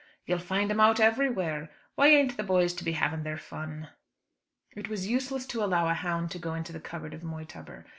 "You'll find 'em out everywhere. Why ain't the boys to be having their fun?" It was useless to allow a hound to go into the covert of Moytubber.